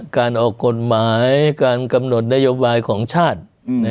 การออกกฎหมายการกำหนดนโยบายของชาติ